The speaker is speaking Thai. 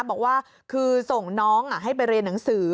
บอกว่าคือส่งน้องให้ไปเรียนหนังสือ